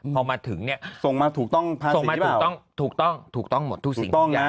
พอมาถึงเนี่ยส่งมาถูกต้องถูกต้องถูกต้องถูกต้องหมดทุกสิ่ง